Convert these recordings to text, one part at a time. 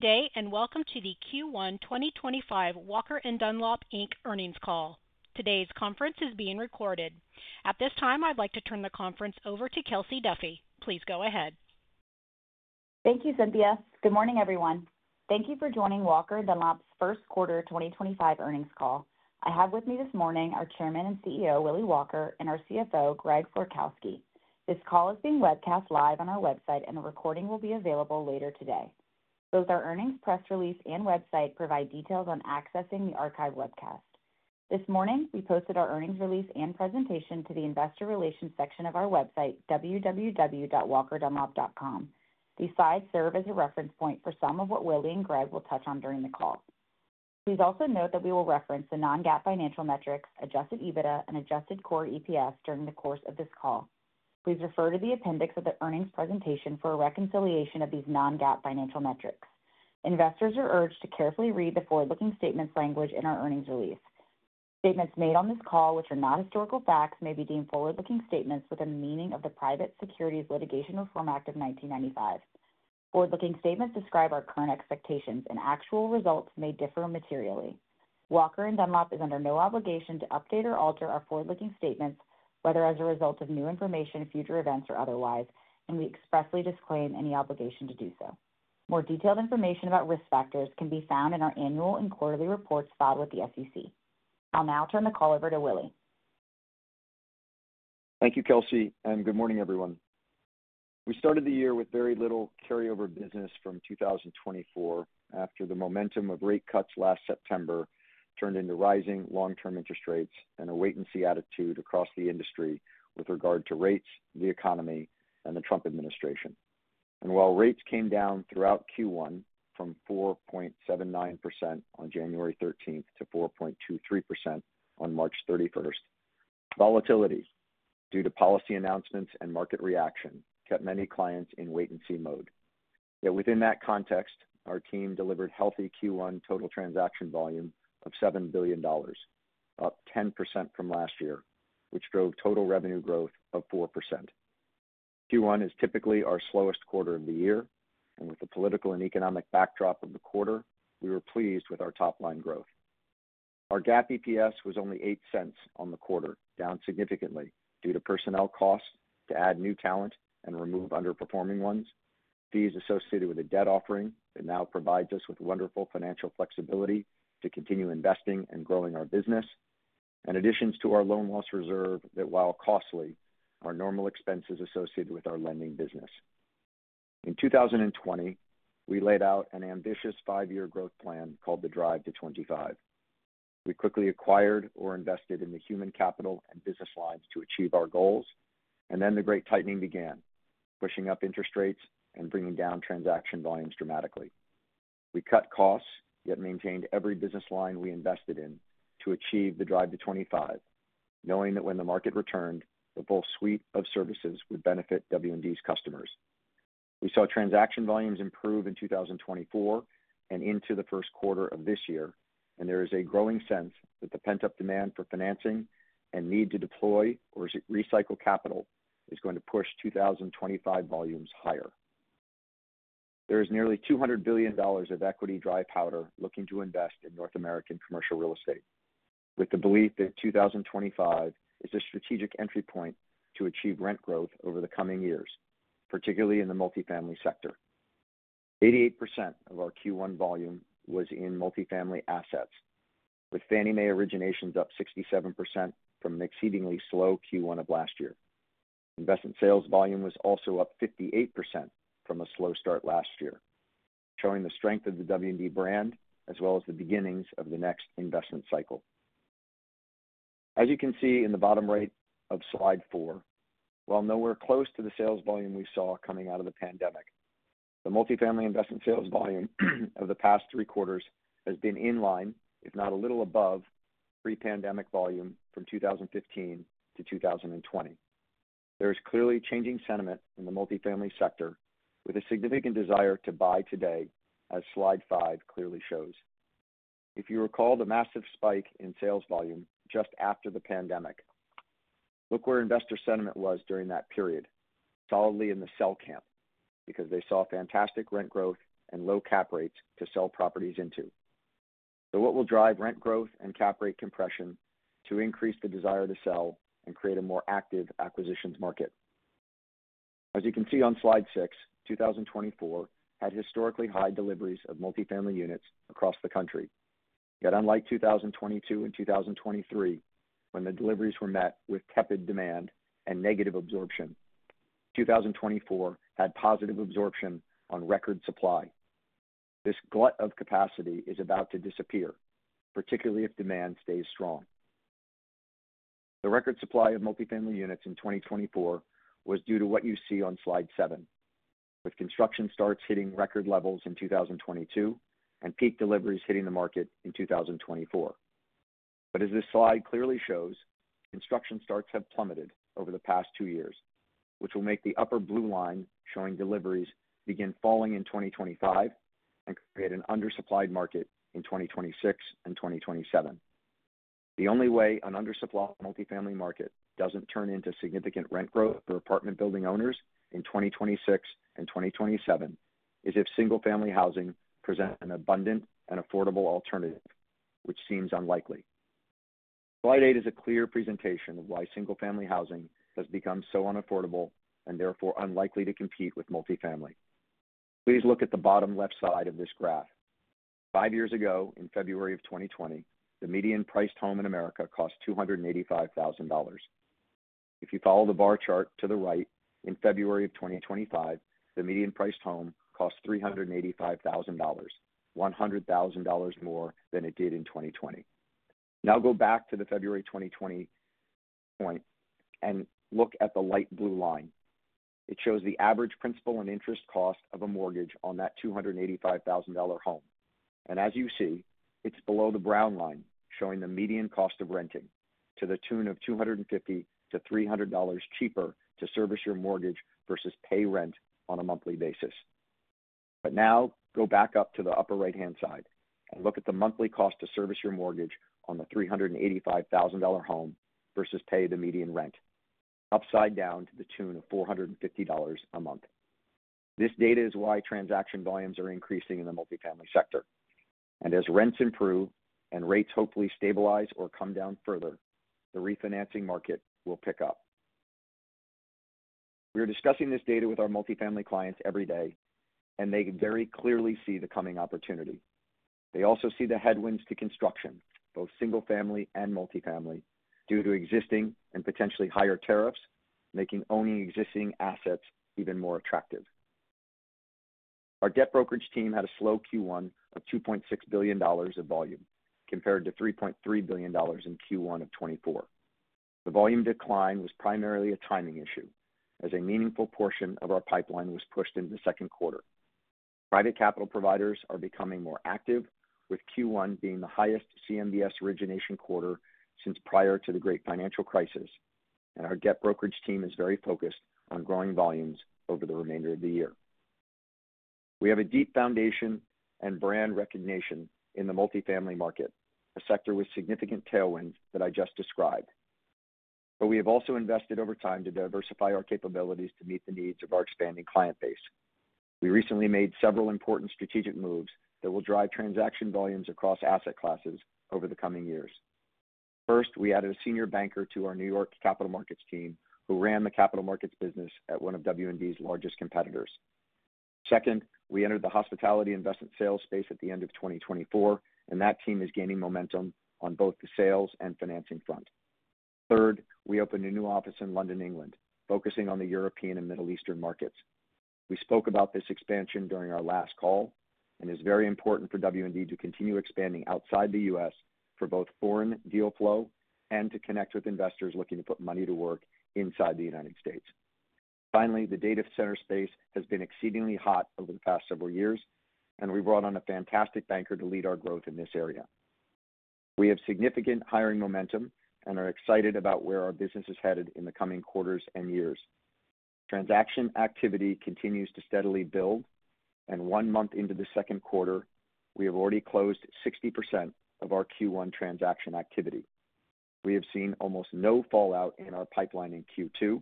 Today, and welcome to the Q1 2025 Walker & Dunlop earnings call. Today's conference is being recorded. At this time, I'd like to turn the conference over to Kelsey Duffey. Please go ahead. Thank you, Cynthia. Good morning, everyone. Thank you for joining Walker & Dunlop's first quarter 2025 earnings call. I have with me this morning our Chairman and CEO, Willy Walker, and our CFO, Greg Florkowski. This call is being webcast live on our website, and the recording will be available later today. Both our earnings press release and website provide details on accessing the archived webcast. This morning, we posted our earnings release and presentation to the investor relations section of our website, www.walkeranddunlop.com. These slides serve as a reference point for some of what Willy and Greg will touch on during the call. Please also note that we will reference the non-GAAP financial metrics, Adjusted EBITDA, and Adjusted Core EPS during the course of this call. Please refer to the appendix of the earnings presentation for a reconciliation of these non-GAAP financial metrics. Investors are urged to carefully read the forward-looking statements language in our earnings release. Statements made on this call, which are not historical facts, may be deemed forward-looking statements within the meaning of the Private Securities Litigation Reform Act of 1995. Forward-looking statements describe our current expectations, and actual results may differ materially. Walker & Dunlop is under no obligation to update or alter our forward-looking statements, whether as a result of new information, future events, or otherwise, and we expressly disclaim any obligation to do so. More detailed information about risk factors can be found in our annual and quarterly reports filed with the SEC. I'll now turn the call over to Willy. Thank you, Kelsey, and good morning, everyone. We started the year with very little carryover business from 2024 after the momentum of rate cuts last September turned into rising long-term interest rates and a wait-and-see attitude across the industry with regard to rates, the economy, and the Trump administration. While rates came down throughout Q1 from 4.79% on January 13 to 4.23% on March 31, volatility due to policy announcements and market reaction kept many clients in wait-and-see mode. Yet within that context, our team delivered healthy Q1 total transaction volume of $7 billion, up 10% from last year, which drove total revenue growth of 4%. Q1 is typically our slowest quarter of the year, and with the political and economic backdrop of the quarter, we were pleased with our top-line growth. Our GAAP EPS was only $0.08 on the quarter, down significantly due to personnel costs to add new talent and remove underperforming ones, fees associated with a debt offering that now provides us with wonderful financial flexibility to continue investing and growing our business, and additions to our loan loss reserve that, while costly, are normal expenses associated with our lending business. In 2020, we laid out an ambitious five-year growth plan called the Drive to '25. We quickly acquired or invested in the human capital and business lines to achieve our goals, and then the Great Tightening began, pushing up interest rates and bringing down transaction volumes dramatically. We cut costs yet maintained every business line we invested in to achieve the Drive to '25, knowing that when the market returned, the full suite of services would benefit W&D's customers. We saw transaction volumes improve in 2024 and into the first quarter of this year, and there is a growing sense that the pent-up demand for financing and need to deploy or recycle capital is going to push 2025 volumes higher. There is nearly $200 billion of equity dry powder looking to invest in North American commercial real estate, with the belief that 2025 is a strategic entry point to achieve rent growth over the coming years, particularly in the multifamily sector. 88% of our Q1 volume was in multifamily assets, with Fannie Mae originations up 67% from an exceedingly slow Q1 of last year. Investment sales volume was also up 58% from a slow start last year, showing the strength of the W&D brand as well as the beginnings of the next investment cycle. As you can see in the bottom right of slide four, while nowhere close to the sales volume we saw coming out of the pandemic, the multifamily investment sales volume of the past three quarters has been in line, if not a little above, pre-pandemic volume from 2015-2020. There is clearly changing sentiment in the multifamily sector, with a significant desire to buy today, as slide five clearly shows. If you recall the massive spike in sales volume just after the pandemic, look where investor sentiment was during that period, solidly in the sell camp, because they saw fantastic rent growth and low cap rates to sell properties into. What will drive rent growth and cap rate compression to increase the desire to sell and create a more active acquisitions market? As you can see on slide six, 2024 had historically high deliveries of multifamily units across the country. Yet, unlike 2022 and 2023, when the deliveries were met with tepid demand and negative absorption, 2024 had positive absorption on record supply. This glut of capacity is about to disappear, particularly if demand stays strong. The record supply of multifamily units in 2024 was due to what you see on slide seven, with construction starts hitting record levels in 2022 and peak deliveries hitting the market in 2024. As this slide clearly shows, construction starts have plummeted over the past two years, which will make the upper blue line showing deliveries begin falling in 2025 and create an undersupplied market in 2026 and 2027. The only way an undersupplied multifamily market does not turn into significant rent growth for apartment building owners in 2026 and 2027 is if single-family housing presents an abundant and affordable alternative, which seems unlikely. Slide eight is a clear presentation of why single-family housing has become so unaffordable and therefore unlikely to compete with multifamily. Please look at the bottom left side of this graph. Five years ago, in February of 2020, the median priced home in America cost $285,000. If you follow the bar chart to the right, in February of 2025, the median priced home cost $385,000, $100,000 more than it did in 2020. Now go back to the February 2020 point and look at the light blue line. It shows the average principal and interest cost of a mortgage on that $285,000 home. As you see, it's below the brown line showing the median cost of renting to the tune of $250-$300 cheaper to service your mortgage versus pay rent on a monthly basis. Now go back up to the upper right-hand side and look at the monthly cost to service your mortgage on the $385,000 home versus pay the median rent, upside down to the tune of $450 a month. This data is why transaction volumes are increasing in the multifamily sector. As rents improve and rates hopefully stabilize or come down further, the refinancing market will pick up. We are discussing this data with our multifamily clients every day, and they very clearly see the coming opportunity. They also see the headwinds to construction, both single-family and multifamily, due to existing and potentially higher tariffs making owning existing assets even more attractive. Our debt brokerage team had a slow Q1 of $2.6 billion of volume compared to $3.3 billion in Q1 of 2024. The volume decline was primarily a timing issue, as a meaningful portion of our pipeline was pushed into the second quarter. Private capital providers are becoming more active, with Q1 being the highest CMBS origination quarter since prior to the great financial crisis, and our debt brokerage team is very focused on growing volumes over the remainder of the year. We have a deep foundation and brand recognition in the multifamily market, a sector with significant tailwinds that I just described. We have also invested over time to diversify our capabilities to meet the needs of our expanding client base. We recently made several important strategic moves that will drive transaction volumes across asset classes over the coming years. First, we added a senior banker to our New York capital markets team who ran the capital markets business at one of W&D's largest competitors. Second, we entered the hospitality investment sales space at the end of 2024, and that team is gaining momentum on both the sales and financing front. Third, we opened a new office in London, England, focusing on the European and Middle Eastern markets. We spoke about this expansion during our last call and it is very important for W&D to continue expanding outside the U.S. for both foreign deal flow and to connect with investors looking to put money to work inside the United States. Finally, the data center space has been exceedingly hot over the past several years, and we brought on a fantastic banker to lead our growth in this area. We have significant hiring momentum and are excited about where our business is headed in the coming quarters and years. Transaction activity continues to steadily build, and one month into the second quarter, we have already closed 60% of our Q1 transaction activity. We have seen almost no fallout in our pipeline in Q2,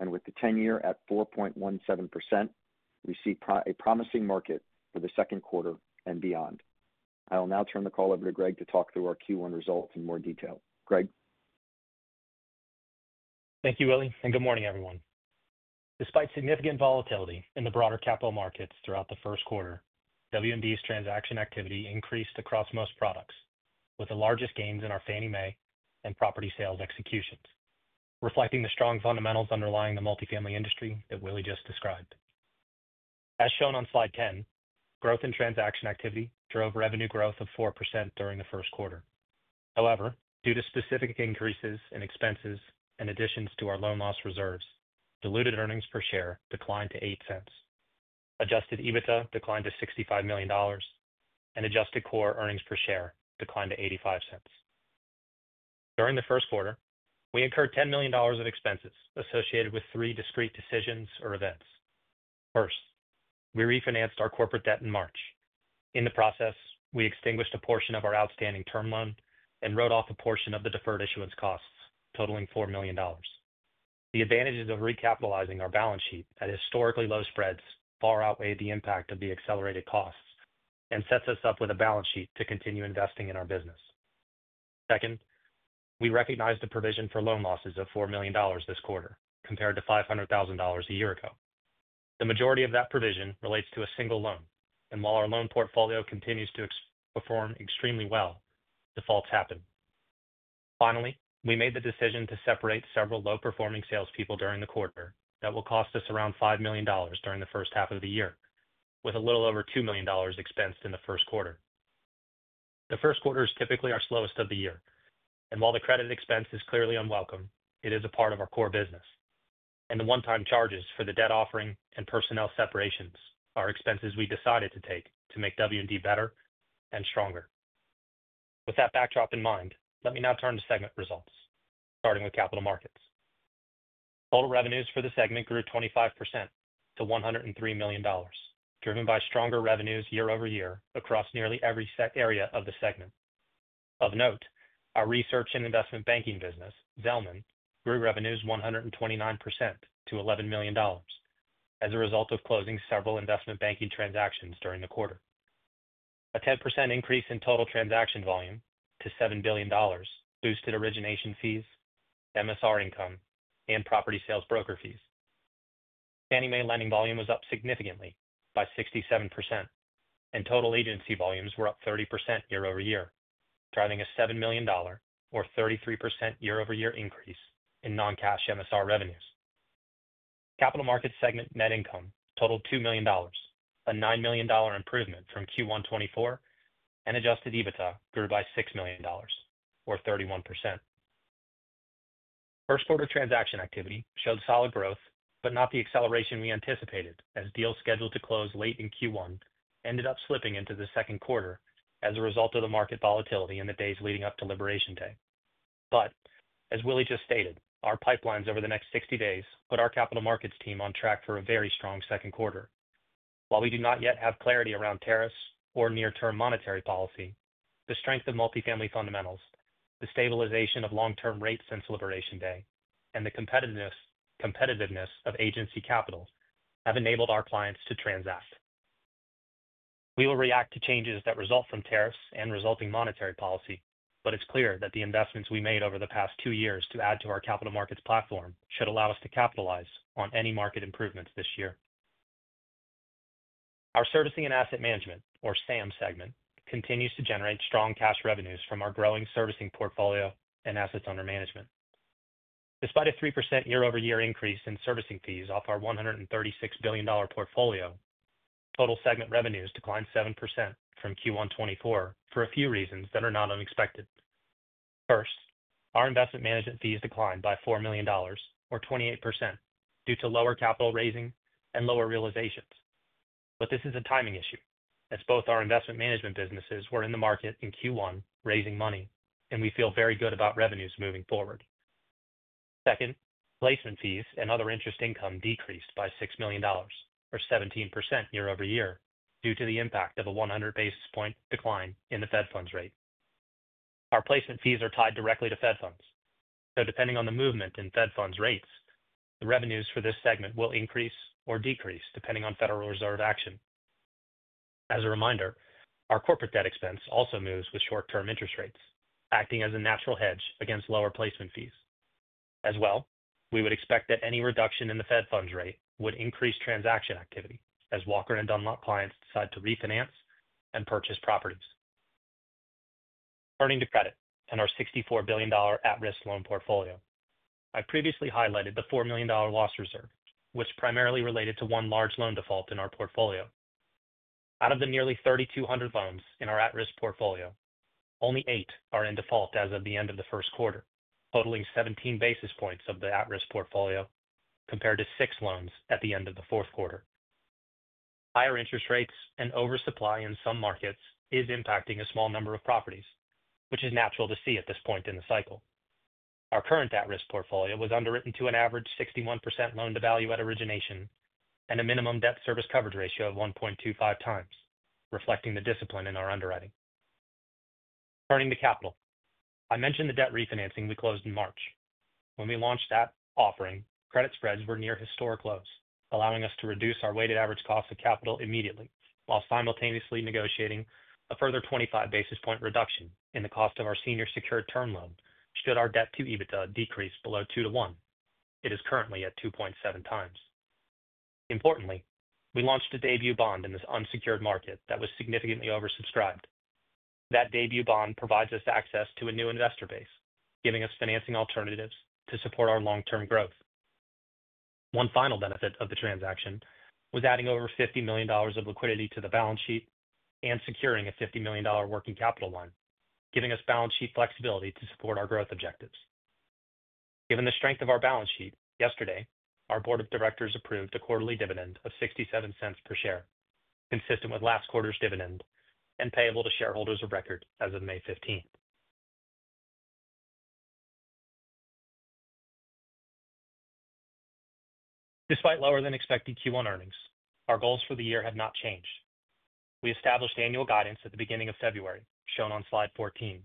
and with the 10-year at 4.17%, we see a promising market for the second quarter and beyond. I will now turn the call over to Greg to talk through our Q1 results in more detail. Greg? Thank you, Willy, and good morning, everyone. Despite significant volatility in the broader capital markets throughout the first quarter, W&D's transaction activity increased across most products, with the largest gains in our Fannie Mae and property sales executions, reflecting the strong fundamentals underlying the multifamily industry that Willy just described. As shown on slide 10, growth in transaction activity drove revenue growth of 4% during the first quarter. However, due to specific increases in expenses and additions to our loan loss reserves, diluted earnings per share declined to $0.08, Adjusted EBITDA declined to $65 million, and Adjusted Core Earnings Per Share declined to $0.85. During the first quarter, we incurred $10 million of expenses associated with three discrete decisions or events. First, we refinanced our corporate debt in March. In the process, we extinguished a portion of our outstanding term loan and wrote off a portion of the deferred issuance costs, totaling $4 million. The advantages of recapitalizing our balance sheet at historically low spreads far outweigh the impact of the accelerated costs and set us up with a balance sheet to continue investing in our business. Second, we recognized a provision for loan losses of $4 million this quarter compared to $500,000 a year ago. The majority of that provision relates to a single loan, and while our loan portfolio continues to perform extremely well, defaults happen. Finally, we made the decision to separate several low-performing salespeople during the quarter that will cost us around $5 million during the first half of the year, with a little over $2 million expensed in the first quarter. The first quarter is typically our slowest of the year, and while the credit expense is clearly unwelcome, it is a part of our core business. The one-time charges for the debt offering and personnel separations are expenses we decided to take to make W&D better and stronger. With that backdrop in mind, let me now turn to segment results, starting with capital markets. Total revenues for the segment grew 25% to $103 million, driven by stronger revenues year-over-year across nearly every sub-area of the segment. Of note, our research and investment banking business, Zelman, grew revenues 129% to $11 million as a result of closing several investment banking transactions during the quarter. A 10% increase in total transaction volume to $7 billion boosted origination fees, MSR income, and property sales broker fees. Fannie Mae lending volume was up significantly by 67%, and total agency volumes were up 30% year-over-year, driving a $7 million, or 33% year-over-year increase in non-cash MSR revenues. Capital markets segment net income totaled $2 million, a $9 million improvement from Q1 2024, and Adjusted EBITDA grew by $6 million, or 31%. First quarter transaction activity showed solid growth, not the acceleration we anticipated, as deals scheduled to close late in Q1 ended up slipping into the second quarter as a result of the market volatility in the days leading up to Liberation Day. As Willy just stated, our pipelines over the next 60 days put our capital markets team on track for a very strong second quarter. While we do not yet have clarity around tariffs or near-term monetary policy, the strength of multifamily fundamentals, the stabilization of long-term rates since Liberation Day, and the competitiveness of agency capital have enabled our clients to transact. We will react to changes that result from tariffs and resulting monetary policy, but it's clear that the investments we made over the past two years to add to our capital markets platform should allow us to capitalize on any market improvements this year. Our servicing and asset management, or SAM segment, continues to generate strong cash revenues from our growing servicing portfolio and assets under management. Despite a 3% year-over-year increase in servicing fees off our $136 billion portfolio, total segment revenues declined 7% from Q1 2024 for a few reasons that are not unexpected. First, our investment management fees declined by $4 million, or 28%, due to lower capital raising and lower realizations. This is a timing issue, as both our investment management businesses were in the market in Q1 raising money, and we feel very good about revenues moving forward. Second, placement fees and other interest income decreased by $6 million, or 17% year-over-year, due to the impact of a 100 basis point decline in the Fed funds rate. Our placement fees are tied directly to Fed funds, so depending on the movement in Fed funds rates, the revenues for this segment will increase or decrease depending on Federal Reserve action. As a reminder, our corporate debt expense also moves with short-term interest rates, acting as a natural hedge against lower placement fees. As well, we would expect that any reduction in the Fed funds rate would increase transaction activity as Walker & Dunlop clients decide to refinance and purchase properties. Turning to credit and our $64 billion at-risk loan portfolio, I previously highlighted the $4 million loss reserve, which primarily related to one large loan default in our portfolio. Out of the nearly 3,200 loans in our at-risk portfolio, only eight are in default as of the end of the first quarter, totaling 17 basis points of the at-risk portfolio compared to six loans at the end of the fourth quarter. Higher interest rates and oversupply in some markets is impacting a small number of properties, which is natural to see at this point in the cycle. Our current at-risk portfolio was underwritten to an average 61% loan to value at origination and a minimum debt service coverage ratio of 1.25x, reflecting the discipline in our underwriting. Turning to capital, I mentioned the debt refinancing we closed in March. When we launched that offering, credit spreads were near historic lows, allowing us to reduce our weighted average cost of capital immediately while simultaneously negotiating a further 25 basis point reduction in the cost of our senior secured term loan should our debt to EBITDA decrease below 2 to 1. It is currently at 2.7x. Importantly, we launched a debut bond in this unsecured market that was significantly oversubscribed. That debut bond provides us access to a new investor base, giving us financing alternatives to support our long-term growth. One final benefit of the transaction was adding over $50 million of liquidity to the balance sheet and securing a $50 million working capital line, giving us balance sheet flexibility to support our growth objectives. Given the strength of our balance sheet, yesterday, our Board of Directors approved a quarterly dividend of $0.67 per share, consistent with last quarter's dividend and payable to shareholders of record as of May 15. Despite lower than expected Q1 earnings, our goals for the year have not changed. We established annual guidance at the beginning of February, shown on slide 14,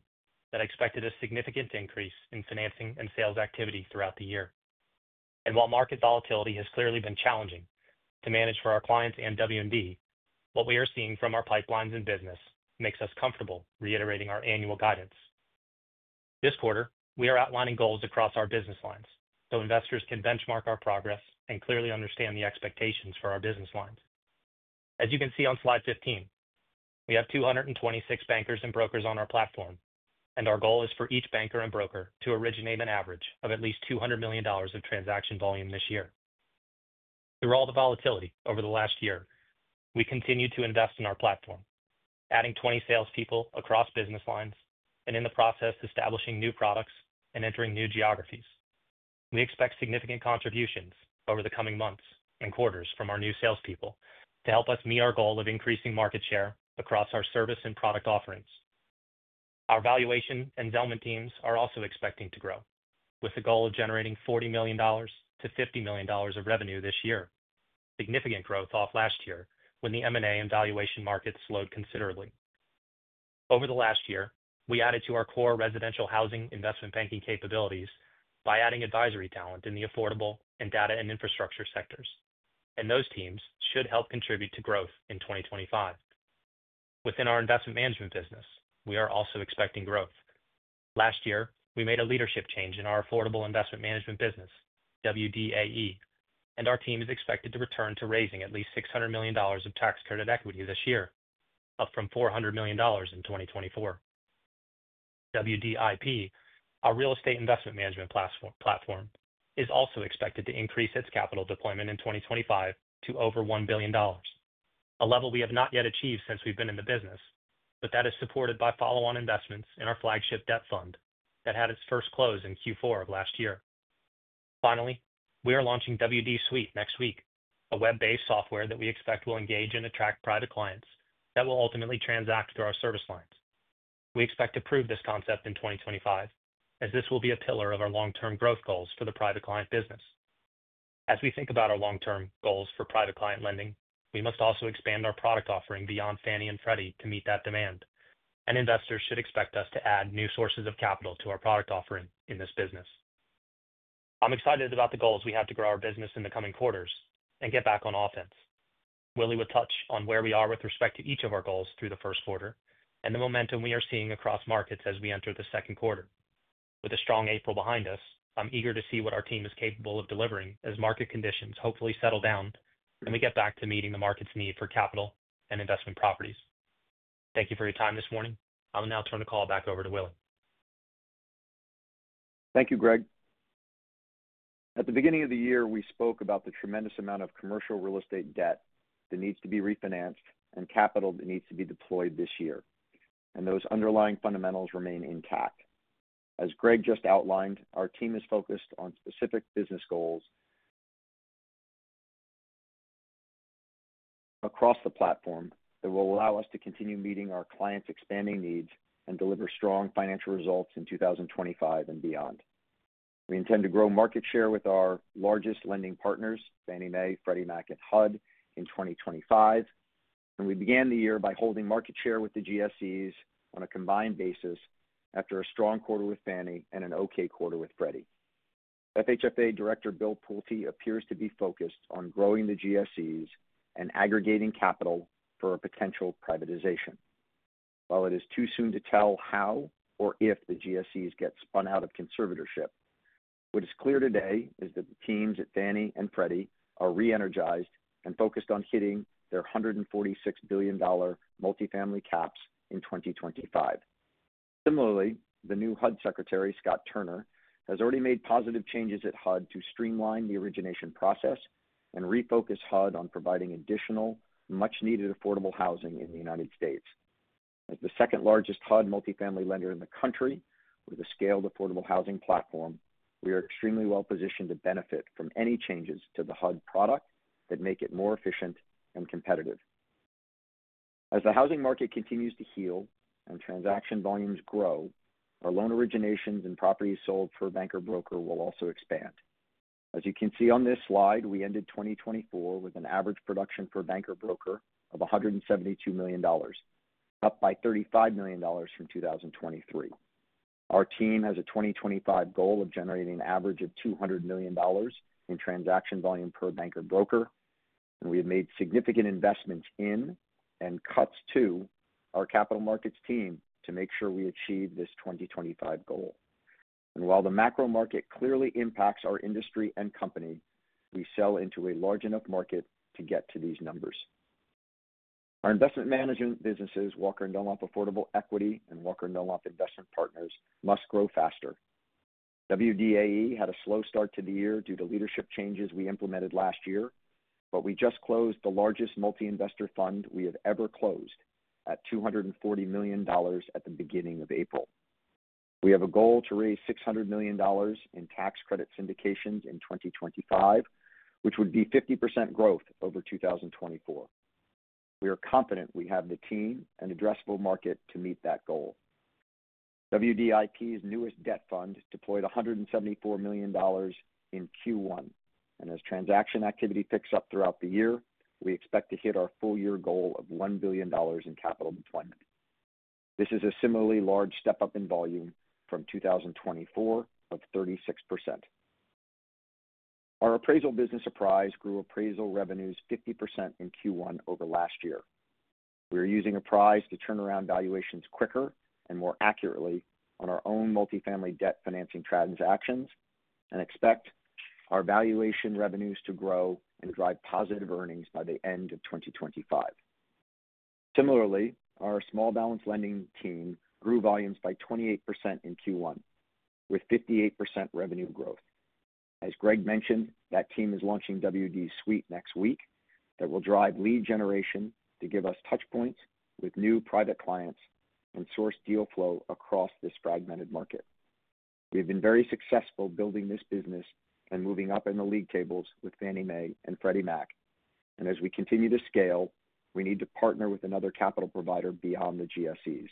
that expected a significant increase in financing and sales activity throughout the year. While market volatility has clearly been challenging to manage for our clients and W&D, what we are seeing from our pipelines and business makes us comfortable reiterating our annual guidance. This quarter, we are outlining goals across our business lines so investors can benchmark our progress and clearly understand the expectations for our business lines. As you can see on slide 15, we have 226 bankers and brokers on our platform, and our goal is for each banker and broker to originate an average of at least $200 million of transaction volume this year. Through all the volatility over the last year, we continue to invest in our platform, adding 20 salespeople across business lines and in the process establishing new products and entering new geographies. We expect significant contributions over the coming months and quarters from our new salespeople to help us meet our goal of increasing market share across our service and product offerings. Our valuation and Zelman teams are also expecting to grow, with the goal of generating $40 million-$50 million of revenue this year, significant growth off last year when the M&A and valuation markets slowed considerably. Over the last year, we added to our core residential housing investment banking capabilities by adding advisory talent in the affordable and data and infrastructure sectors, and those teams should help contribute to growth in 2025. Within our investment management business, we are also expecting growth. Last year, we made a leadership change in our affordable investment management business, WDAE, and our team is expected to return to raising at least $600 million of tax credit equity this year, up from $400 million in 2024. WDIP, our real estate investment management platform, is also expected to increase its capital deployment in 2025 to over $1 billion, a level we have not yet achieved since we've been in the business, but that is supported by follow-on investments in our flagship debt fund that had its first close in Q4 of last year. Finally, we are launching WD Suite next week, a web-based software that we expect will engage and attract private clients that will ultimately transact through our service lines. We expect to prove this concept in 2025, as this will be a pillar of our long-term growth goals for the private client business. As we think about our long-term goals for private client lending, we must also expand our product offering beyond Fannie and Freddie to meet that demand, and investors should expect us to add new sources of capital to our product offering in this business. I'm excited about the goals we have to grow our business in the coming quarters and get back on offense. Willy will touch on where we are with respect to each of our goals through the first quarter and the momentum we are seeing across markets as we enter the second quarter. With a strong April behind us, I'm eager to see what our team is capable of delivering as market conditions hopefully settle down and we get back to meeting the market's need for capital and investment properties. Thank you for your time this morning. I will now turn the call back over to Willy. Thank you, Greg. At the beginning of the year, we spoke about the tremendous amount of commercial real estate debt that needs to be refinanced and capital that needs to be deployed this year, and those underlying fundamentals remain intact. As Greg just outlined, our team is focused on specific business goals across the platform that will allow us to continue meeting our clients' expanding needs and deliver strong financial results in 2025 and beyond. We intend to grow market share with our largest lending partners, Fannie Mae, Freddie Mac, and HUD, in 2025, and we began the year by holding market share with the GSEs on a combined basis after a strong quarter with Fannie and an okay quarter with Freddie. FHFA Director Bill Pulte appears to be focused on growing the GSEs and aggregating capital for a potential privatization. While it is too soon to tell how or if the GSEs get spun out of conservatorship, what is clear today is that the teams at Fannie and Freddie are re-energized and focused on hitting their $146 billion multifamily caps in 2025. Similarly, the new HUD Secretary, Scott Turner, has already made positive changes at HUD to streamline the origination process and refocus HUD on providing additional, much-needed affordable housing in the United States. As the second-largest HUD multifamily lender in the country with a scaled affordable housing platform, we are extremely well-positioned to benefit from any changes to the HUD product that make it more efficient and competitive. As the housing market continues to heal and transaction volumes grow, our loan originations and properties sold per banker broker will also expand. As you can see on this slide, we ended 2024 with an average production per banker broker of $172 million, up by $35 million from 2023. Our team has a 2025 goal of generating an average of $200 million in transaction volume per banker broker, and we have made significant investments in and cuts to our capital markets team to make sure we achieve this 2025 goal. While the macro market clearly impacts our industry and company, we sell into a large enough market to get to these numbers. Our investment management businesses, Walker & Dunlop Affordable Equity and Walker & Dunlop Investment Partners, must grow faster. WDAE had a slow start to the year due to leadership changes we implemented last year, but we just closed the largest multi-investor fund we have ever closed at $240 million at the beginning of April. We have a goal to raise $600 million in tax credit syndications in 2025, which would be 50% growth over 2024. We are confident we have the team and addressable market to meet that goal. WDIP's newest debt fund deployed $174 million in Q1, and as transaction activity picks up throughout the year, we expect to hit our full-year goal of $1 billion in capital deployment. This is a similarly large step-up in volume from 2024 of 36%. Our appraisal business Apprise grew appraisal revenues 50% in Q1 over last year. We are using Apprise to turn around valuations quicker and more accurately on our own multifamily debt financing transactions and expect our valuation revenues to grow and drive positive earnings by the end of 2025. Similarly, our small balance lending team grew volumes by 28% in Q1, with 58% revenue growth. As Greg mentioned, that team is launching WD Suite next week, that will drive lead generation to give us touchpoints with new private clients and source deal flow across this fragmented market. We have been very successful building this business and moving up in the league tables with Fannie Mae and Freddie Mac, and as we continue to scale, we need to partner with another capital provider beyond the GSEs.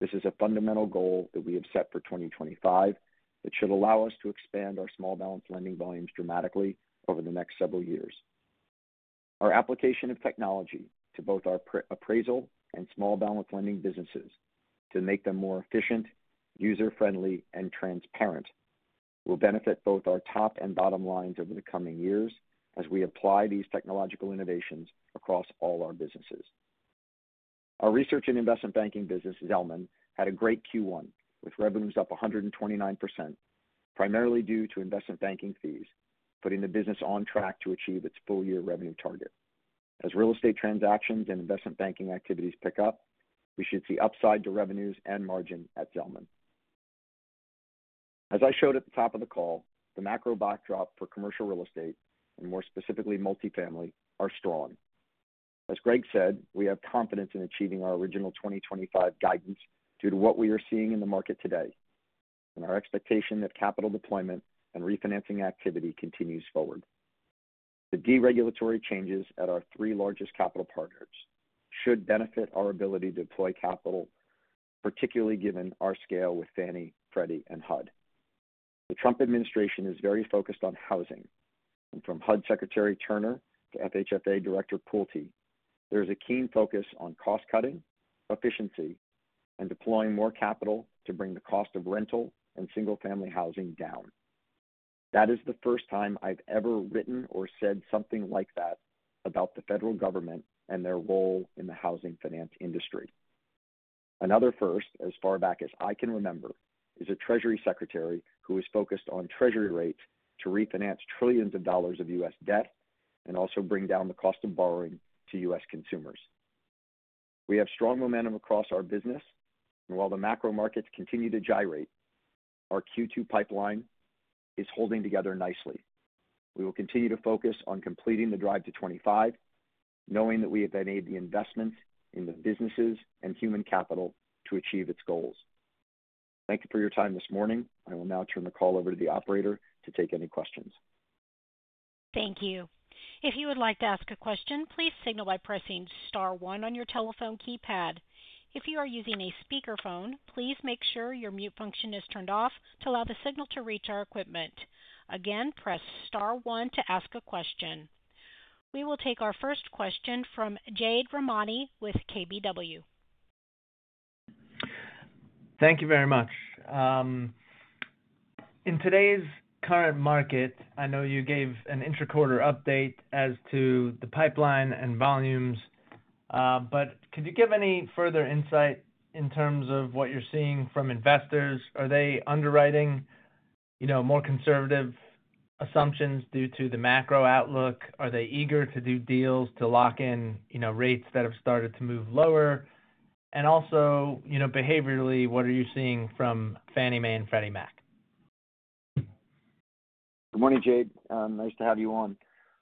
This is a fundamental goal that we have set for 2025 that should allow us to expand our small balance lending volumes dramatically over the next several years. Our application of technology to both our appraisal and small balance lending businesses to make them more efficient, user-friendly, and transparent will benefit both our top and bottom lines over the coming years as we apply these technological innovations across all our businesses. Our research and investment banking business, Zelman, had a great Q1 with revenues up 129%, primarily due to investment banking fees, putting the business on track to achieve its full-year revenue target. As real estate transactions and investment banking activities pick up, we should see upside to revenues and margin at Zelman. As I showed at the top of the call, the macro backdrop for commercial real estate, and more specifically multifamily, are strong. As Greg said, we have confidence in achieving our original 2025 guidance due to what we are seeing in the market today and our expectation that capital deployment and refinancing activity continues forward. The deregulatory changes at our three largest capital partners should benefit our ability to deploy capital, particularly given our scale with Fannie, Freddie, and HUD. The Trump administration is very focused on housing, and from HUD Secretary Turner to FHFA Director Pulte, there is a keen focus on cost-cutting, efficiency, and deploying more capital to bring the cost of rental and single-family housing down. That is the first time I've ever written or said something like that about the federal government and their role in the housing finance industry. Another first, as far back as I can remember, is a Treasury Secretary who is focused on Treasury rates to refinance trillions of dollars of U.S. debt and also bring down the cost of borrowing to U.S. consumers. We have strong momentum across our business, and while the macro markets continue to gyrate, our Q2 pipeline is holding together nicely. We will continue to focus on completing the Drive to '25, knowing that we have made the investments in the businesses and human capital to achieve its goals. Thank you for your time this morning. I will now turn the call over to the operator to take any questions. Thank you. If you would like to ask a question, please signal by pressing star one on your telephone keypad. If you are using a speakerphone, please make sure your mute function is turned off to allow the signal to reach our equipment. Again, press star one to ask a question. We will take our first question from Jade Rahmani with KBW. Thank you very much. In today's current market, I know you gave an intra-quarter update as to the pipeline and volumes, but could you give any further insight in terms of what you're seeing from investors? Are they underwriting more conservative assumptions due to the macro outlook? Are they eager to do deals to lock in rates that have started to move lower? Also, behaviorally, what are you seeing from Fannie Mae and Freddie Mac? Good morning, Jade. Nice to have you on.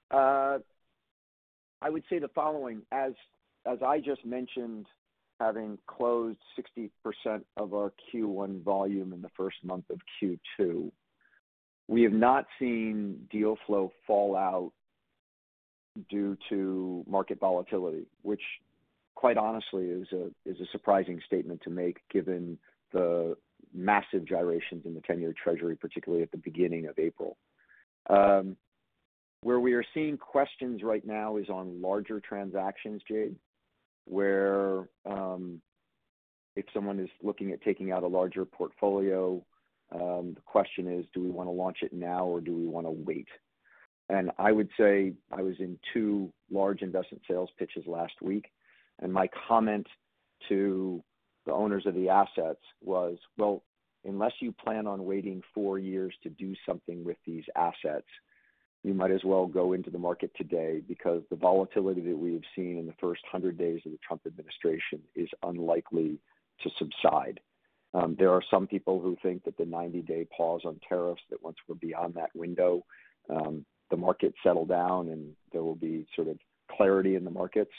I would say the following. As I just mentioned, having closed 60% of our Q1 volume in the first month of Q2, we have not seen deal flow fall out due to market volatility, which, quite honestly, is a surprising statement to make given the massive gyrations in the 10-year Treasury, particularly at the beginning of April. Where we are seeing questions right now is on larger transactions, Jade, where if someone is looking at taking out a larger portfolio, the question is, do we want to launch it now or do we want to wait? I would say I was in two large investment sales pitches last week, and my comment to the owners of the assets was, well, unless you plan on waiting four years to do something with these assets, you might as well go into the market today because the volatility that we have seen in the first 100 days of the Trump administration is unlikely to subside. There are some people who think that the 90-day pause on tariffs, that once we're beyond that window, the markets settle down and there will be sort of clarity in the markets.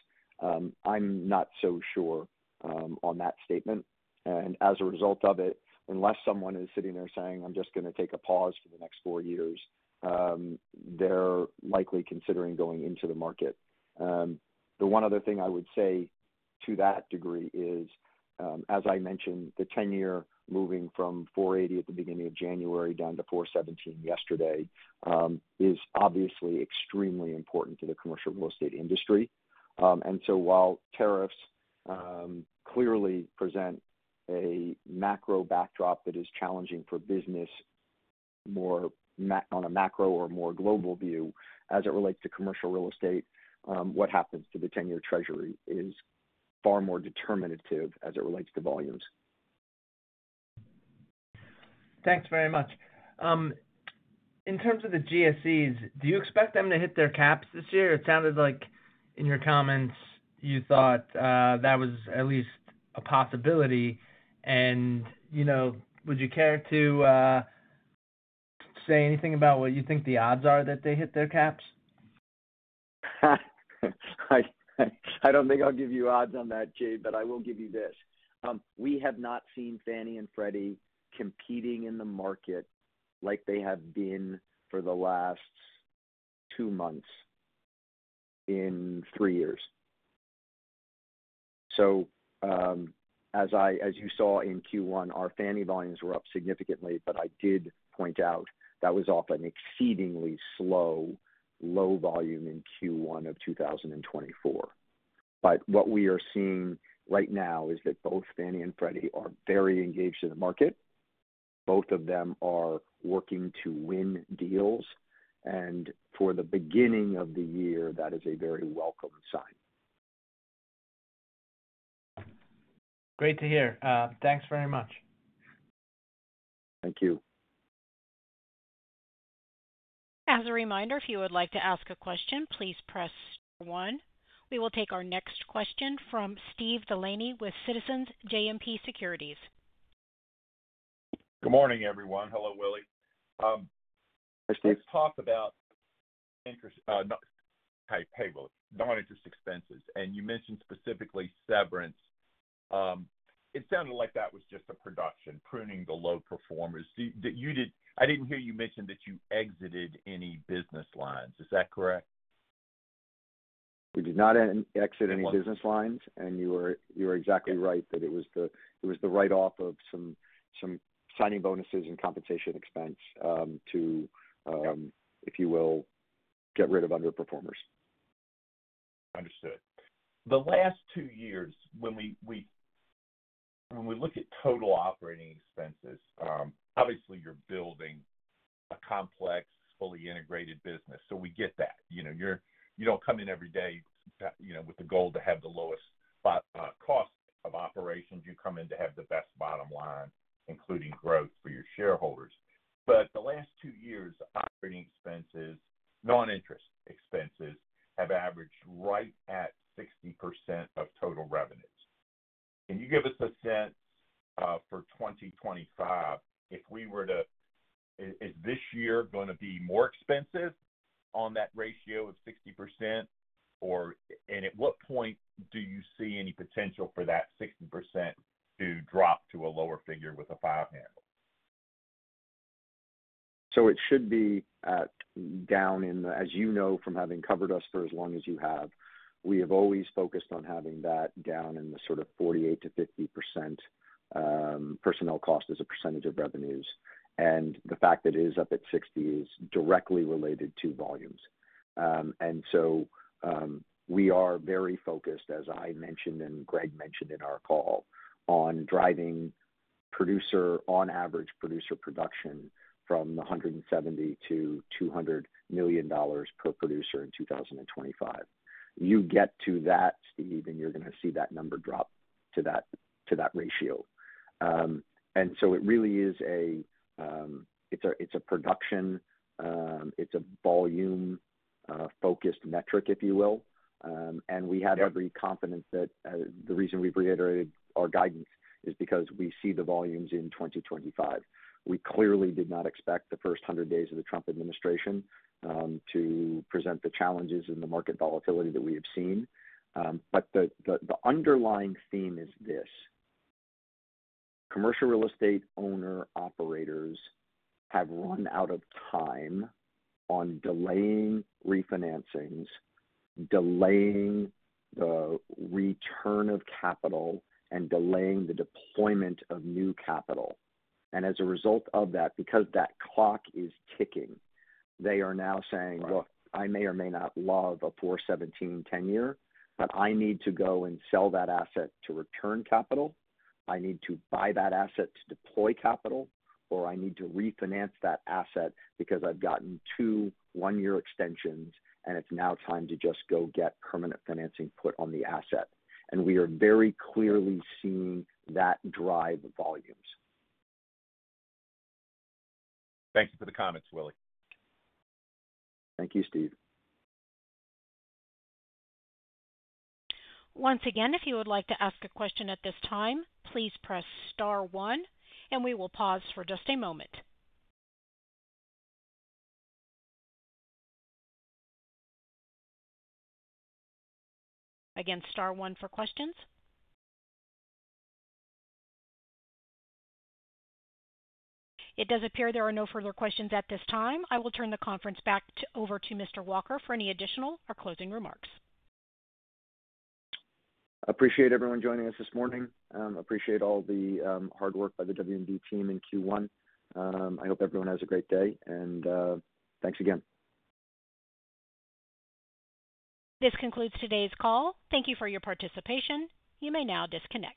I'm not so sure on that statement. As a result of it, unless someone is sitting there saying, I'm just going to take a pause for the next four years, they're likely considering going into the market. The one other thing I would say to that degree is, as I mentioned, the 10-year moving from $4.80 at the beginning of January down to $4.17 yesterday is obviously extremely important to the commercial real estate industry. While tariffs clearly present a macro backdrop that is challenging for business on a macro or more global view, as it relates to commercial real estate, what happens to the 10-year Treasury is far more determinative as it relates to volumes. Thanks very much. In terms of the GSEs, do you expect them to hit their caps this year? It sounded like in your comments you thought that was at least a possibility. Would you care to say anything about what you think the odds are that they hit their caps? I don't think I'll give you odds on that, Jade, but I will give you this. We have not seen Fannie and Freddie competing in the market like they have been for the last two months in three years. As you saw in Q1, our Fannie volumes were up significantly, but I did point out that was off an exceedingly slow, low volume in Q1 of 2024. What we are seeing right now is that both Fannie and Freddie are very engaged in the market. Both of them are working to win deals, and for the beginning of the year, that is a very welcome sign. Great to hear. Thanks very much. Thank you. As a reminder, if you would like to ask a question, please press star one. We will take our next question from Steven Delaney with Citizens JMP Securities. Good morning, everyone. Hello, Willy. Hi, Steven. Let's talk about interest, hey, Willy. Non-interest expenses, and you mentioned specifically severance. It sounded like that was just a production, pruning the low performers. I didn't hear you mention that you exited any business lines. Is that correct? We did not exit any business lines, and you were exactly right that it was the write-off of some signing bonuses and compensation expense to, if you will, get rid of underperformers. Understood. The last two years, when we look at total operating expenses, obviously you're building a complex, fully integrated business, so we get that. You don't come in every day with the goal to have the lowest cost of operations. You come in to have the best bottom line, including growth for your shareholders. The last two years, operating expenses, non-interest expenses have averaged right at 60% of total revenues. Can you give us a sense for 2025? If we were to—is this year going to be more expensive on that ratio of 60%? At what point do you see any potential for that 60% to drop to a lower figure with a five-handle? It should be down in the—as you know from having covered us for as long as you have, we have always focused on having that down in the sort of 48%-50% personnel cost as a percentage of revenues. The fact that it is up at 60% is directly related to volumes. We are very focused, as I mentioned and Greg mentioned in our call, on driving producer, on average, producer production from $170 million-$200 million/producer in 2025. You get to that, Steven, and you're going to see that number drop to that ratio. It really is a production, it is a volume-focused metric, if you will. We have every confidence that the reason we've reiterated our guidance is because we see the volumes in 2025. We clearly did not expect the first 100 days of the Trump administration to present the challenges and the market volatility that we have seen. The underlying theme is this: commercial real estate owner-operators have run out of time on delaying refinancings, delaying the return of capital, and delaying the deployment of new capital. As a result of that, because that clock is ticking, they are now saying, "Look, I may or may not love a $4.17 10-year, but I need to go and sell that asset to return capital. I need to buy that asset to deploy capital, or I need to refinance that asset because I've gotten two one-year extensions, and it's now time to just go get permanent financing put on the asset." We are very clearly seeing that drive volumes. Thank you for the comments, Willy. Thank you, Steven. Once again, if you would like to ask a question at this time, please press star one, and we will pause for just a moment. Again, star one for questions. It does appear there are no further questions at this time. I will turn the conference back over to Mr. Walker for any additional or closing remarks. Appreciate everyone joining us this morning. Appreciate all the hard work by the W&D team in Q1. I hope everyone has a great day, and thanks again. This concludes today's call. Thank you for your participation. You may now disconnect.